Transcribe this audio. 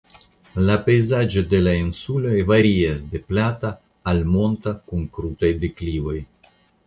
La pejzaĝo de la insuloj varias de plata al monta kun krutaj deklivoj.